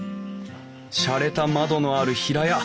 しゃれた窓のある平屋。